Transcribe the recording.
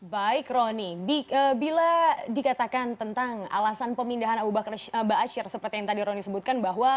baik roni bila dikatakan tentang alasan pemindahan abu bakar ⁇ asyir ⁇ seperti yang tadi roni sebutkan bahwa